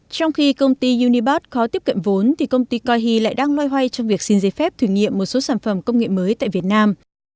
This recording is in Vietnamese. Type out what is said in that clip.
trong khi công ty unibot khó tiếp cận vốn thì công ty coihe lại đang loay hoay trong việc xin giấy phép thử nghiệm một số sản phẩm công nghệ mới tại việt nam